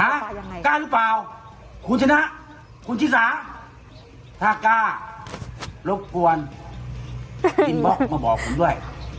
ฮะกล้าหรือเปล่าคุณชนะคุณชิสาถ้ากล้ารบกวนอินบล็อกมาบอกผมด้วย